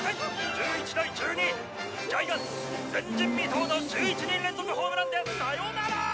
１１対１２」「ジャイガンツ前人未到の１１人連続ホームランでサヨナラ！」